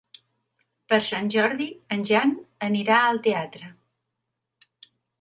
Per Sant Jordi en Jan anirà al teatre.